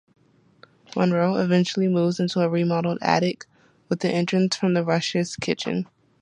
Monroe eventually moves into a remodeled attic, with the entrance from the Rushes' kitchen.